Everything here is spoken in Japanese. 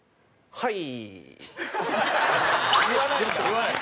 はい！